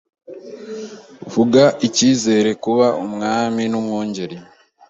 Vuga icyigeze kuba Umwami n'Umwungeri